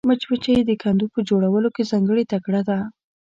مچمچۍ د کندو په جوړولو کې ځانګړې تکړه ده